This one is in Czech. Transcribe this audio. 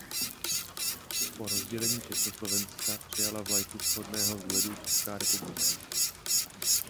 Po rozdělení Československa přijala vlajku shodného vzhledu Česká republika.